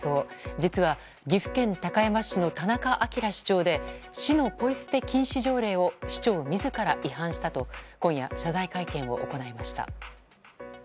実は、岐阜県高山市の田中明市長で市のポイ捨て禁止条例を市長自ら違反したと今夜、謝罪会見を行いました。